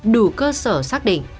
đủ cơ sở xác định